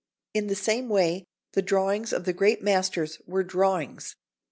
In the same way, the drawings of the great masters were drawings.